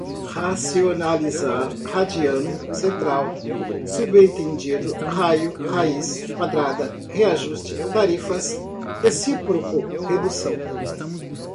Racionalizar, radiano, central, subtendido, raio, raiz quadrada, reajuste, tarifas, recíproco, redução